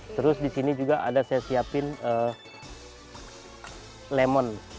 terus di sini juga ada saya siapin lemon